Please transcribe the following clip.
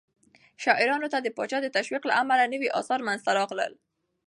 شاعرانو ته د پاچا د تشويق له امله نوي آثار منځته راغلل.